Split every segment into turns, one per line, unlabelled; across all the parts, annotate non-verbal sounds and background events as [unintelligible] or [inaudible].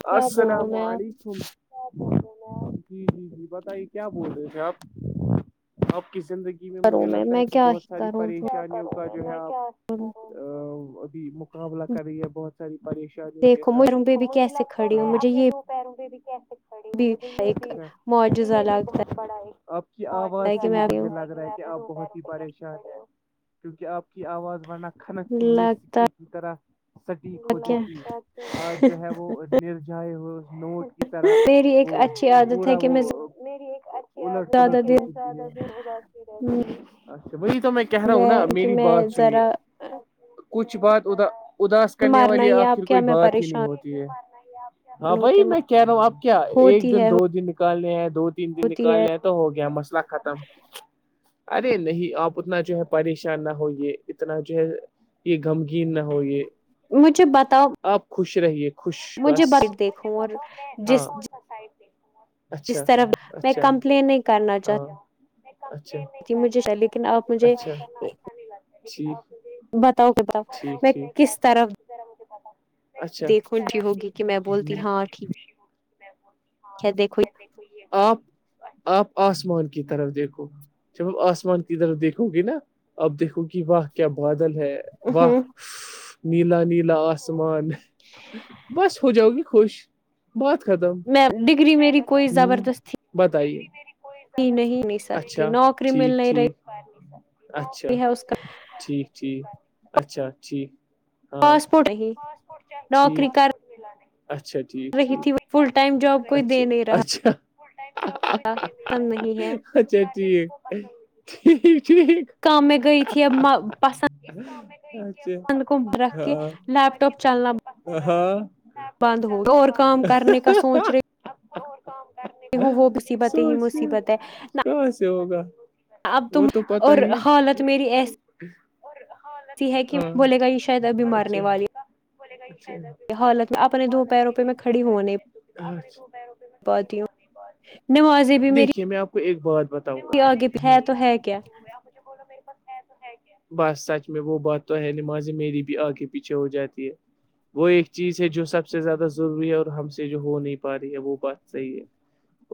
کیا بولوں
السلام
میں
علیکم جی جی جی بتائیے کیا بول رہے تھے آپ [inaudible] آپ کی زندگی میں
کروں
مجھے لگتا ہے
میں
کہ
کیا
بہت
ہی
ساری پریشانیوں کا جو ہے آپ
ہوں [inaudible]
ا ابھی مقابلہ کر رہی ہے بہت ساری پریشانی کی
مج رمبے بھی کیسے کڑی ہو مجھے یہ
پیروں پہ بھی کیسے کھڑی ہوں
بھی
مجھے یہ
ایک
بھی مجھے
معجزہ
یہ بھی
لگتا
بہت [unintelligible] آپ کی آواز
ہے
سے
کہ
ہی
میں
مجھے
ہوں
لگ رہا ہے آپ بہت ہی پریشان ہیں کیونکہ آپ کی آواز ورنہ کھنکتی ہوئے
لگتا
سکے [inaudible] طرح سٹیک ہوتی
کیا
تھی آج جو ہے وہ نرجائے ہو اس نوٹ کی [inaudible]
میری ایک اچھی عادت ہے کہ میں
میری [inaudible] ٹ
زیادہ دیر
اچا وہی تو میں [inaudible] کہ رہا ہوں نا
کہ
میری
میں
بات سنیے
ذرا
کچھ بات ادا اداس کرنے
مارنا
والی
ہی ہے آپ
آخر
کیا
کوئی
میں
بات ہی نہیں
پریشان
ہوتی ہے ہاں
ہو کے
بائی میں کہہ رہا ہوں آب کیا ایک
ہوتی
دن
ہے
دو دن نکالنے ہیں دو تین دن
ہوتی ہے
نکالنے ہیں تو ہو گیا مسئلہ ختم ارے نہیں آپ اتنا جو ہے پریشان نہ ہوئیے اتنا جو ہے یہ غمگین نہ ہو یہ
مجھے بتاؤ
آپ خوش رہیے خوش
مجھے
بس
بائٹ دیکھو اور جس [inaudible]
ساہ پ [inaudible]
جس طرح میں کمپلین نہیں کرنا چاہتا
کمپلین
تھی مجھے لیکن اپ مجھے [inaudible]
جچھی [inaudible]
بتاؤ بتاؤ میں کس طرف
ب [inaudible]
دیکھن جی ہوگی کہ میں بولتی ہاں ٹھیک [inaudible]
[inaudible]
دیکھوئی [inaudible]
آپ آپ آسمان کی طرف دیکھو چل آسمان کی طرف دیکھو گے نا اپ دیکھو گی بات [inaudible] کیا بادل ہے واہ
ہوں
نیلا نیلا آسمان بس ہو جاؤ گی خوش بہت ختم
میں ڈگری میری کوئی
ہ
زبردستی
بتائیے
نہیں نہیں
اچھا
سکتی نوکری مل
ٹھیک
نہیں
ٹھیک
رہی
اچھا
ہے اس کا
ٹھیک ٹھیک اچھا ٹھیک [inaudible] ہاں
پڑے ہی [inaudible]
ٹھیک اچھا [inaudible]
رہی تھی فل ٹائم جاب کوئی دے نہیں
اچھا
رہا
اچھا
پسند نہیں ہے [inaudible]
اچھا ٹھیک ٹھیک ٹھیک [inaudible]
کم میں گئیت پسند
[inaudible] اچھے
کند کم رکھ کے لیپٹاپ چلنا
ہاں
بند ہوگا اور کام کرنے کا سوچ رہے
اب
ہوں وہ مصیبت ہی مصیبت ہے نہ
کہاں سے ہوگا
اب تم اور حالت میری ایسی ہے کہ بولے گا یہ شاید ابھی مرنے والی
بولے گچ ہے
حالت میں اپنے دو پیروں پہ میں کھڑی ہونے پتی ہوں نمازیں بھی میری
دیکھیے میں آپ کو ایک بات بتا
آگے ہے تو ہے کیا
مجھے بولو بت میں بس سچ میں وہ بات تو ہے نماز میری بھی آگے پیچھے ہو جاتی ہے وہ ایک چیز ہے جو سب سے زیادہ ضروری ہے اور ہم سے جو ہو نہیں پا رہی ہے وہ بات صحیح ہے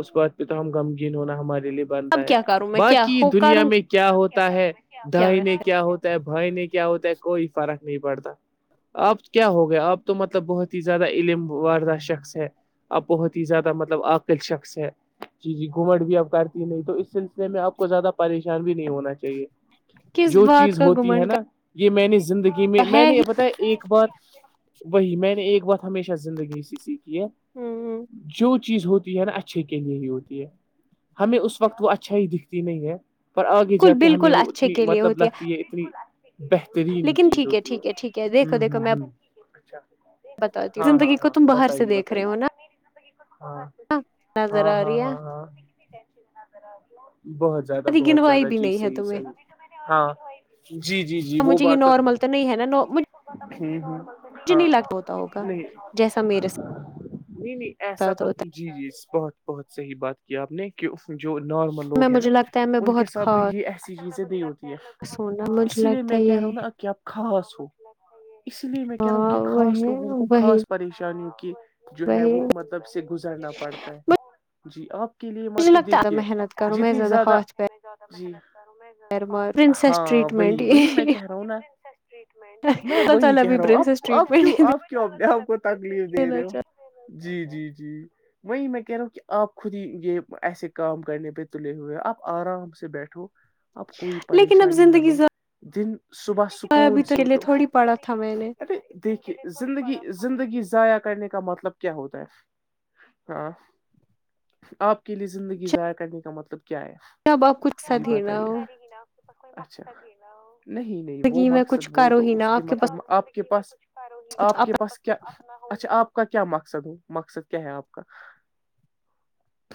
اس بات پہ تو ہم غمگین ہونا ہمارے لیے
اب
بنتا ہے
کیا کروں میں کیا
باقی
ہو
دنیا
کروں
میں کیا ہوتا ہے
کیا میں
دائنے کیا ہوتا بھائی نہیں کیا ہوتا ہے کوئی فرق نہیں پڑتا اب کیا ہو گیا آپ تو مطلب بہت ہی زیادہ علم ووردہ شخص ہے اب بہت ہی زیادہ مطلب عقل شخص ہے جی جی گھومٹ بھی اب کرتی نہیں تو اس سلسلے میں آپ کو زیادہ پریشان بھی نہیں ہونا چاہیے
کس
جو
بات
چیز
کا
ہوتی ہے
گمنڈ
نا یہ میں نے زندگی میں
کر
میں
ہے
نے
ہی
بتا ایک بار وہی میں نے ایک بات ہمیشہ زندگی اسی سی کی ہے
بالکل
جو چیز ہوتی ہے نا اچھے کے لیے ہی ہوتی ہے ہمیں اس وقت وہ اچھا ہی دکھتی نہیں ہے پر آگے جا کے ہمیں
بالکل
وہ
اچھے
اتنی
کے لیے
مطلب
ہوتی
لگتی ہے اتنی بہترین
لیکن
چیز
ٹھیک
ہوتی ہے
ٹھیک ٹھیک دیکھو
ہوں
دیکھو
ہوں
میں
ہوں اچھا
بتاتی ہوں
ہاں ہاں
زندگی کو
ہاں
تم باہر سے
بتائیے
دیکھ رہے
بتائیے
ہو نا
ہاں
نظر
ہاں
آ
ہاں
رہی ہے
ہاں ہاں بہت زیادہ
ادھی
بہت
گنوائی
زیادہ
بھی
جی
نہیں ہے
صحیح
تمہیں
صحیح ہاں جی جی جی وہ
مجھے یہ
بات تو ہے
نارمل نہیں ہے نا مجھے
ہاں
نہیں لگ ہوتا ہوگا
نہیں
جیسا میرے
نہیں نہیں ایسا
ساتھ
تو
ہوتا
جی جی بہت بہت صحیح بات کیا آپ نے کہ جو نارمل
ہے میں
لوگ ہیں نا
مجھے لگتا ہے میں
ان کے
بہت
ساتھ
خاص
یہ ایس چیزیں دی ہوتی ہے
سونا مجھے
اسی لیے
لگتا
میں
ہے
کہہ رہا
یہ
ہوں نا کیا خاص ہو اسی لیے میں کہہ رہا ہوں
ہاں
کہ خاص
وہی
لوگوں کو
وہی
خاص پریشانیوں کی جو ہے
وہی
وہ مطلب سے گزرنا پڑتا ہے جی آپ کے لیے
مجھے
مطلب
لگتا ہے
دیکھیے
محنت کروں میں
جتنی زیادہ
ہاتھ
جی
پیر مار پرنسس
ہاں
ٹریٹمنٹ
وہی وہی میں کہہ رہا ہوں نا میں
اللہ
وہی
تعالی
کہہ
بھی
رہا ہوں
پرنسس
آپ آپ کیوں
ٹریٹمنٹ
آپ کیوں اپنے کو تکلیف دے رہے
دینا
ہو
چاہ
جی جی جی وہی میں کہہ رہا ہوں کہ آپ خود ہی یہ ایسے کام کرنے پہ تلے ہوئے ہو آپ آرام سے بیٹھو اب کوئی
لیکن اب
پریشانی نہ
زندگی
لو دن صبح
ابھی
سکون
تو
سے
کے لیے
اٹھو
تھوڑی پڑا تھا میں نے
ار دیکھیے زندگی زندگی ضائع کرنے کا مطلب کیا ہوتا ہے ہاں آپ کے لیے زندگی ضائع کرنے کا مطلب کیا ہے
اب آپ کچھ سد ہی نہ ہو
نہیں نہیں وہ
زندگی میں
مقصد
کچھ
وہ
کرو
تو
ہی
اس
نہ
کے
آپ پاس
مطلب آپ کے پاس
کچھ
آپ کے
اپنا
پاس کیا اچھا آپ کا کیا مقصد ہو مقصد کیا ہے آپ کا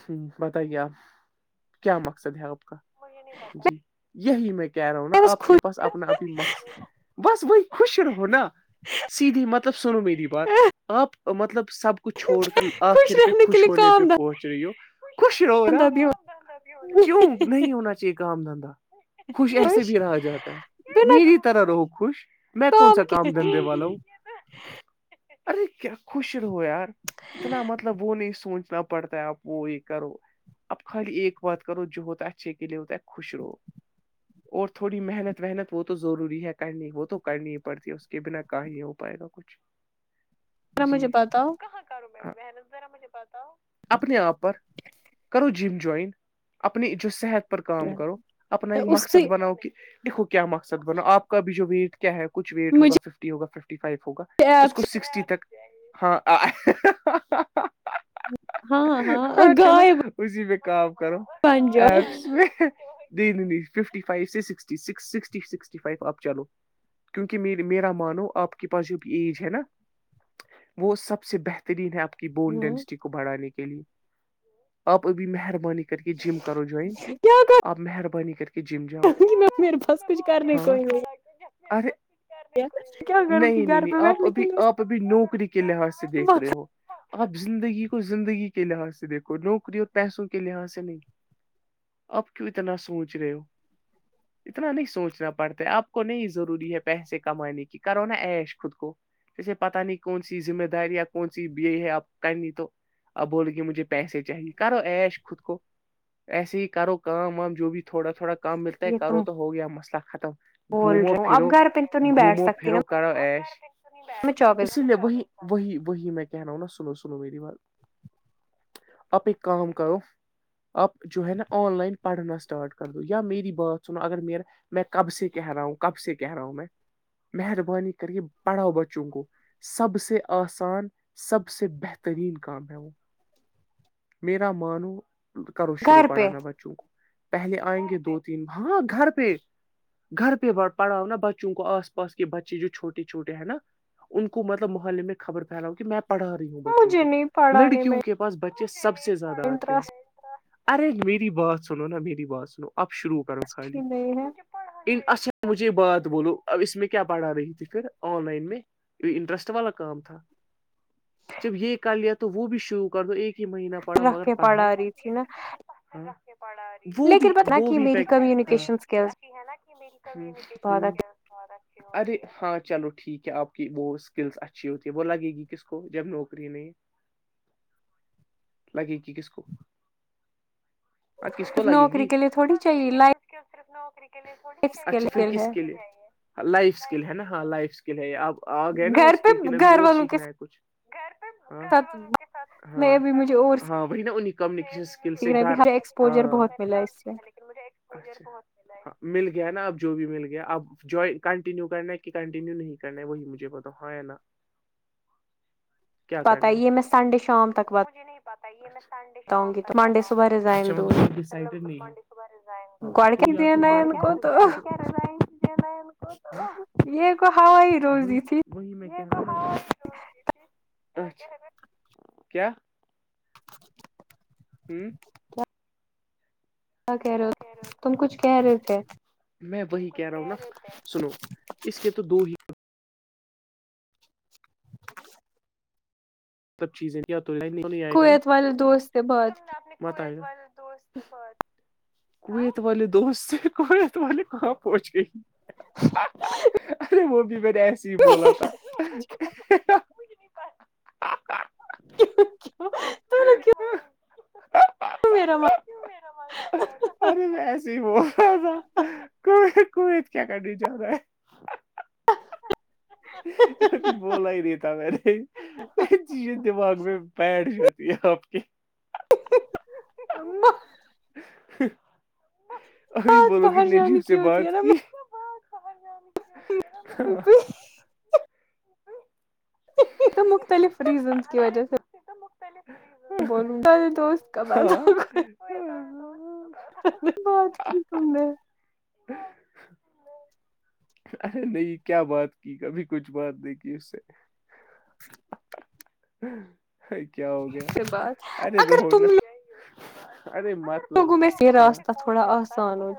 ہ بتائیے آپ کیا مقصد ہے آپ کا جی یہی میں کیا کہہ رہا ہوں نا
بس
آپ کے
خوش
پاس اپنا اپنی مقص بس وہی خوش رہو نا سیدھی مطلب سنو میری بات آپ مطلب سب کو چھوڑ کر
خوش
آخر پہ
رہنے کے
خوش
لیے
ہونے پہ
کام
پہنچ رہی ہو خوش رو
دھندا
رہا
بھی ہو
کیوں نہیں ہونا چاہ یہ کام دھندا خوش ایسے بھی رہا جاتا ہے
بنا
میری طرح رہو خوش میں کون سا
کے
کام دھندے والا ہوں
ذرا
ارے کیا خوش رہو یار اتنا مطلب وہ نہیں سوچنا پڑتا ہے آپ وہ یہ کرو اب خالی ایک بات کرو جو ہوتا ہے اچھے کے لیے ہوتا ہے خوش رو اور تھوڑی محنت وحنت وہ تو ضروری ہے کرنی وہ تو کرنی ہی پڑتی ہے کہ بنا کہ ہی ہو پائے گا کچھ جی
مجھے بتاؤ
کر میں محنتذر مجھے اپنے آپ پر کرو جم جوائن اپنی جو صحت پر کام کرو اپنا ایک
اس
مقصد
سے
بناؤ کہ دیکھو کیا مقصد بناو آپ کا بھی جو ویٹ کیا ہے کچھ ویٹ
مجھے
ہوگا ففٹی ہوگا ففٹی فائیو ہوگا اس
ایپ
کو سکسٹی تک ہاں آ
ہاں
ہاں چلو
گائے
اسی پہ کام کرو
بن جاؤ
ایپس میں نہیں نہیں نہیں ففٹی فو س فو آپ چلو کیونکہ مے میرا مانو آپ کے پاس جو بھی ایج ہے نا وہ سب سے بہتر ن ہے آپ کی بون ڈینسٹی کو بڑھانے کے لیے آپ ابھی مہربانی کر کر کے جم کرو جوائن آپ مہربانی کر کے جم جام
وں گی میں میرے بس کچھ کرنے کوئی نہیں
اری
ہے کیا کروں گی
نہیں نہیں
گھر
نہیں
پہ
آپ
بیٹھنے کے
ابھی آپ ابھی نوکری کے لحاظ سے دیکھ
لیے
رہے ہو آپ زندگی کو زندگی کے لحاظ سے دیکھو نوکری اور پیسوں کے لحاظ سے نہیں آپ کیوں اتنا سوچ رہے ہو اتنا نہیں سوچنا پڑتا آپ کو نہیں ضروری ہے پیسے کمانے کی کرو نا ایش خود کو اسے پتا نہیں کون سی ذمہ داری یا کون سی یہ ہے اپ کرنی تو آپ بول گے مجھے پیسے چاہیے کرو ایش خود کو ایسے ہی کرو کام وام جو بھی تھوڑا تھوڑا کام ملتا ہے
یہ
کرو
تم
تو ہو گیا مسئلہ ختم
بول
گھومو
رہے ہو اب
پھرو
گھر پہ تو نہیں بیٹھ
گھومو
سکتی نا
پھرو کرو ایش
میں چوبیس
اسی لیے وہی وہی وہی میں کہ رہا ہوں نا سنو سنو میری بات آپ ایک کام کرو آپ جو ہے نا آن لائن پڑھنا اسٹارٹ کر دو یا میری بات سنو اگر میر میں کب سے کہہ رہا ہوں کب سے کہہ رہا ہوں میں مہربانی کر کے پڑھاؤ بچوں کو سب سے آسان سب سے بہترین کام ہے وہ میرا مانو کرو شروع
گھر
پڑا
پہ
نا ب پہلے آئیں گے دو تین ہاں گھر پہ گھر پہ پڑھاؤ نا بچوں آس پاس کے بچے جو چھوٹے چھٹے ہیں نا ان کو مطلب محلے میں خبر پھیلاؤ کہ میں پڑھا ہوں بچوں
مجھے
کو
نہیں پڑھانے
لڑکیوں
میں
کے پاس بچے سب سے زیادہ آتے ہیں
انٹرسٹ
ارے میری بات سنو نہا میری بات سنو اب شروع کرو
ہی
خالی
نہیں ہے
ان اچھا مجھے بات تو بولو اب اس میں کیا پڑھا رہی تھی پھر آن لائن میں انٹرسٹ والا کام تھا جب یہ کر لیا تو وہ بھی شروع کر دو ایک ہی مہینہ پڑھا مگر
رکھے پڑا
پڑھاؤ
رہی تھی نا
وہ بھی
لیکن بتا
وہ
کہ
بھی
میری
چز
کمیونیکیشن اسکلس
ہے نا کہ
بہت اچھی
[unintelligible] ارے ہاں چلو ٹھیک ہے آپ کی وہ اسکلس اچھی ہوتی ہے وہ لگے گی کس کو جب نوکری نہیں لگے گ کس کو ہاں کو
صرف
لگے
نوکری
گی
کے لیے تھوڑی چاہیے لائف
ے اچھا پھر
اسکل
کس
ہے
کے لیے لائف اسکل ہے نا ہاں لائفکل کل ہے آپ آ گئے نا
گھر پہ
اسک کن ابھی
گھر
اور
والوں کے
سیکھنا ہے کچھ
ساتھ میں ابھی مجھے اور
بھ نا انہیں کمیونکیشن اسکل سے
نے بھی
گھر
ہر ایکسپوجر
ہاں
بہت ملا اس سے
مل گیا نا اب جو بھی مل گ اب جو کنٹینیو کرنا ہے کہ کنٹینیو نہیں کرنا ہے وہی مجھے پتا ہاں یا نا [inaudible]
پتہ ہے یہمس سنڈے شام تک وات
مجھ نہیں پ یہ میں سنڈے شام تک بتاؤں
صبح
گی اچھا
ریزائن دوں گی
ماتلاب ڈسڈ
گڑ کے
رزائ
دینا ہے ان کو تو
کیا رزائ
یہ کو ہوا ہی روزی تھی
[inaudible]
[inaudible]
ہوں
کیا کیا کہہ رہے ہو تم کچھ کہہ رہے تھے
میں وہی کہہ رہا ہوں نا سنو اس کے تو دو ہی سب چیزیں
کویت والے دوست سے بعد کی
بتائی کویت والے دوست سے کویت والے کہاں پہنچے ارے وہ بھی میں نے ایسے ہی بولا تھا
کی کیوں
[inaudible]
میرا
میرا ارے میں ایسی بتز کو کیت کیا کرنی چاہ رہا ہے بولا ہی رہیتا میںے دماغ میں بیٹھ جات آپ کی
ان
ابھی بولو کت
باہر
نے
جانے
عجیب سے
کی ہوتی ہے
بات
نا
کی ہاں
یہ تو مختلف ریزنس کی وجہ سے بولوں اے دوست کبد ہوگ
ہاں
بات کیکم رہ
نہیں کیا بات کی کبھی کچھ بات نہیں کی اس سے کیا ہو گیا
سے بات
ارے
اگر
رونا ارے مت
گ میں راستہ تھوڑا آان ہو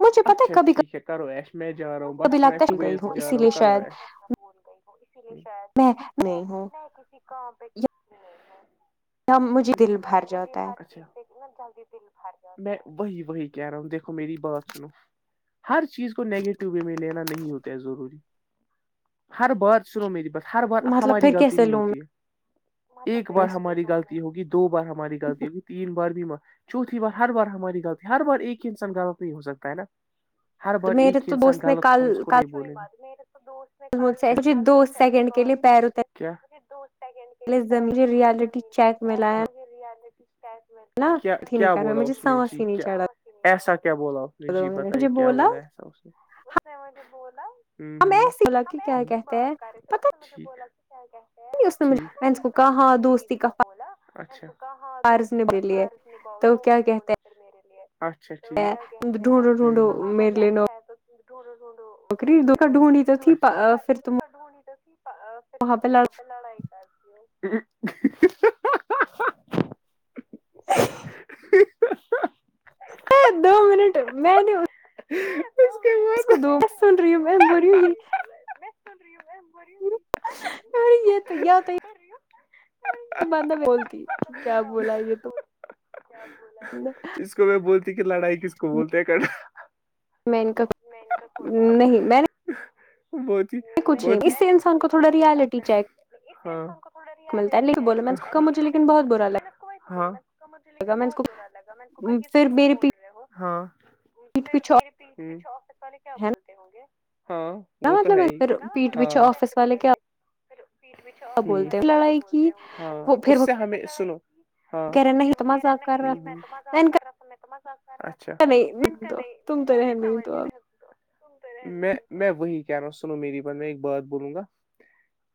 مجھے پتا
اچھا
کبھی
ٹھیک ہے کرو ایس میں جارو
کبھی
بس میں
لگتا ہے گئی
کبت
ہوں اسی
جارو
لیے
کرو
شاید
ایس ش
میں نہیں ہوں
کسی کام پہ کسی
مجھے دل بھر جاتا ہے
میں وہی وہی کہہ رہا ہوں دیکھو میری بات سنو ہر چیز کو نیگیٹو وے میں لینا نہیں ہوتا ہے ضروری ہر بار سنو میری بات ہر بار
ہے مطلب
ہماری
پھر
غلطی
کیسے
نہیں
لوں
ہوتی ہے ایک
میں
بار ہماری غلط ہوگی دو بار ہماری غلی ہوگی تین بار بھی چوتھی بار ہر بار ہماری غلط ہے ہر بار ایک ہی انسان غلط نہیں ہو سکتا ہے نا ہر بار
میرے
ایکھ
تو
انسان
دوست نے
غلط
کل
تھمکن
کل
بول
مجھ سے مجھے دو
ایسی
سیکنڈ کے
بات نہیں مجھے
دمجے ریالٹی چیک میں لیا ہی نہیں
کیا
کر رہا
بولا
مجھے
اس میں
سانس
جی
ہی نہیں
کیا
چڑھا
ایسا کیا بولا اس نے
دو
جی
منٹ
بتے
مجھے
کیا بولا ایسا
ہم ایسے بولا
ہم
کہ کیا
ایسی
کہتے ہیں
بات کر رہے تھے اس
پتا
سے مجھے بولا کہ کیا
اس نے مجھےس کو کہاں دوستی کہ
اچھا
فار نے بھی لی ہے تو کیا کہتے ہیں
اچھا اچا کیا
ڈھونڈو
کہتا ہے
ڈھونڈو
کہاںاں
میرے لیے
ہے دونڈوں دڈ مل
نوکری دو
لی نوکری
ڈھونڈی تو
دو
تھی پھر تم
پس تو کو ہونی تو
وہاں
ھر
لڑ
مہ پہ لڑائی کرتی ہو
دو منٹ میں نے
ہاں
اس کو دو بت سن رہی ہوں میں ب رہیوںی
ی
یہ تویا تو باندا بولتی ہے کہ کیا بولا یہ تو
اس کو میں بولتی کہ لڑائی کس کو بولتے ہیں کا
میں ان کا نہیں میں نے
بہت
کچھ نہیں
بہت
اس سے
کچھ
انسان کو
نہیں
تھوڑا
بولا
ریالٹی چیک
تھوڑا ریاض ہے ٹی
مجے لن بہ براگا
لیکن بہت برا لگا کو کہا یہ تو
پھر
تم
میری
بول رہے ہو
پیٹ
پھر
پیچھے
میرے والے کیا
ہے
بولتے ہوں گے ہاں وہ تو
مطلب
ہے ہی
اھر پیٹ پچھے آفس والے کیا
ہاں
بولتے ہیں لڑائی
بتے ہاں اس سے ہمیں سنو
کہ رہے نہیں تو مز کر رہا
تھا
نہیں تو تم تو رہن گ تو آپ
میں میں وہی کہہ رہا ہوں سنو میری بات میں ایک بات بولوں گا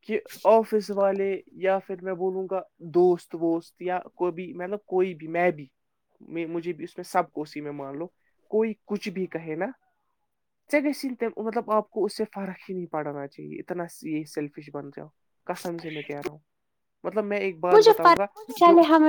کہ آفس والے یا پھر میں بولوں گا دوست ووست یا کو بھی مطلب کوئی بھی میں بھی میں مجھے بھی اس میں سب کو اسی میں مان لو کوئی کچھ بھی کہے نا گی مطلب آپ کو اس سے فرق ہی نہیں پڑانا چاہیے اتنا یہی سیلفش بن جاؤ کسم سے میں کہہ رہا ہوں مطلب میں ایک بات
مجھے
بتاؤں گا
فرق
جو
چلے ہمیں